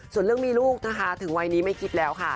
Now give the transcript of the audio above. ส่วนเรื่องมีลูกนะคะถึงวัยนี้ไม่คิดแล้วค่ะ